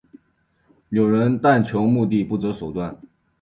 有人但求目的不择手段。